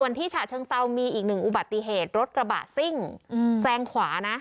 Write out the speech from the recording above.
ส่วนที่ฉะเชิงเซามีอีกหนึ่งอุบัติเหตุรถกระบะซิ่งแซงขวานะ